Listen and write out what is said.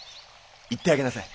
行ってあげなさい。